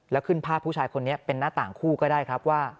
แล้วขึ้นภาพผู้ชายคนนี้เป็นหน้าต่างคู่ก็ได้ครับว่า